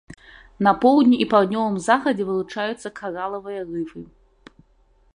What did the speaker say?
На поўдні і паўднёвым захадзе вылучаюцца каралавыя рыфы.